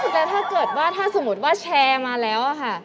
แต่ถ้าเกิดว่าถ้าสมมุติว่าแชร์มาแล้วค่ะ